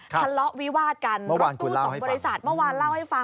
ทะเลาะวิวาดกันรถตู้สองบริษัทเมื่อวานเล่าให้ฟัง